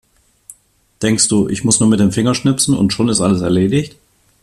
Denkst du, ich muss nur mit dem Finger schnipsen und schon ist alles erledigt?